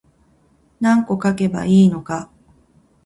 何個書けばいいのか